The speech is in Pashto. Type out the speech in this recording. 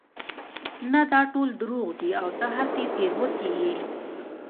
نه دا ټول دروغ دي او ته هسې تېروتي يې